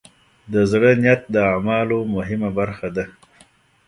د زړۀ نیت د اعمالو مهمه برخه ده.